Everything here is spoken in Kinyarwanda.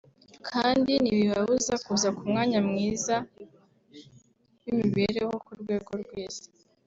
kandi ntibibabuza kuza ku mwanya mwiza w’imibereho ku rwego rw’isi”